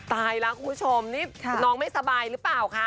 ตายแล้วคุณผู้ชมนี่น้องไม่สบายหรือเปล่าคะ